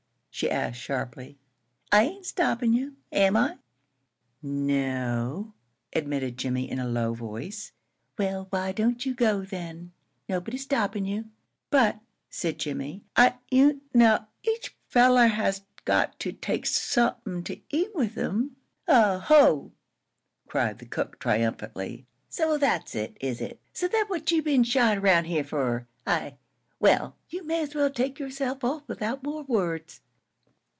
she asked, sharply. "I ain't stoppin' you, am I?" "No," admitted Jimmie, in a low voice. "Well, why don't you go, then? Nobody's stoppin' you." "But," said Jimmie, "I you now each fellow has got to take somethin' to eat with 'm." "Oh ho!" cried the cook, triumphantly. "So that's it, is it? So that's what you've been shyin' round here fer, eh? Well, you may as well take yourself off without more words.